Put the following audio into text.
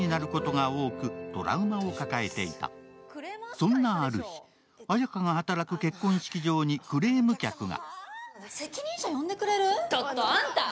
そんなある日、綾華が働く結婚式場にクレーム客が。